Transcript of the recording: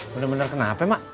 bener bener kenapa mak